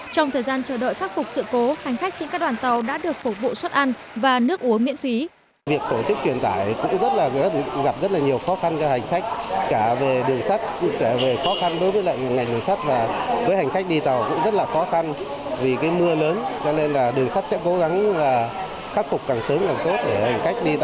trong thời gian chờ đợi khắc phục sự cố hành khách trên các đoàn tàu đã được phục vụ suất ăn và nước uống miễn phí